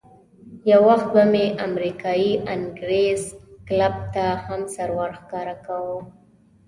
یو وخت به مې امریکایي انګرېز کلب ته هم سر ورښکاره کاوه.